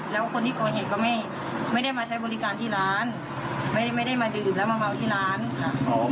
แล้วคนที่ก่อเหตุก็ไม่ได้มาใช้บริการที่ร้านไม่ได้ไม่ได้มาดื่มแล้วมาเมาที่ร้านครับผม